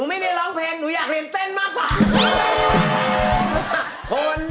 คุณบ้านเดียวกันแค่มองตากันก็เข้าใจอยู่